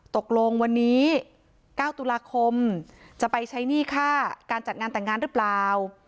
ตกลงวันนี้๙ตุลาคมจะไปใช้หนี้ค่าการจัดงานแต่งงานหรือเปล่า